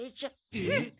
えっ？